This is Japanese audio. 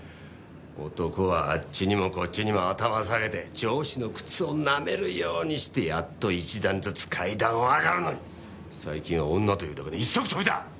男はあっちにもこっちにも頭下げて上司の靴をなめるようにしてやっと一段ずつ階段を上がるのに最近は女というだけで一足飛びだ！